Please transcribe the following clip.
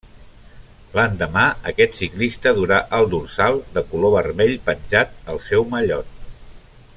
L'endemà aquest ciclista durà el dorsal de color vermell penjat al seu mallot.